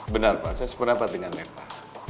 benar pak saya sepena dengan mereka